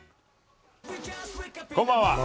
こんばんは。